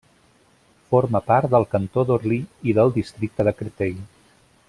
Forma part del cantó d'Orly i del districte de Créteil.